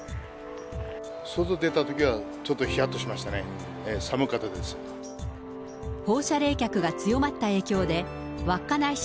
外出たときは、ちょっとひやっとしましたね、寒かったです。